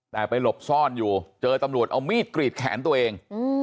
แต่ไปหลบซ่อนอยู่เจอตำรวจเอามีดกรีดแขนตัวเอง